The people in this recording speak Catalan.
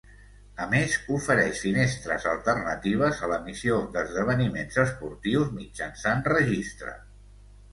A més ofereix finestres alternatives a l'emissió d'esdeveniments esportius, mitjançant registre.